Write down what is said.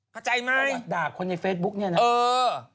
เข้าใจไหมประวัติด่าคนในเฟซบุ๊กเนี่ยเนี่ยเนี่ย